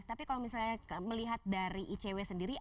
tapi kalau misalnya melihat dari icw sendiri